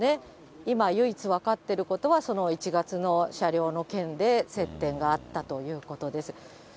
今、唯一分かっていることはその１月の車両の件で、接点があったということです。